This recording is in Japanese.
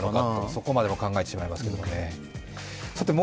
そこまで考えてしまいますけれども。